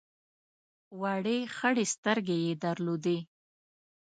وړې خړې سترګې یې درلودې.